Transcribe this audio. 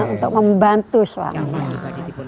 untuk membantu suaminya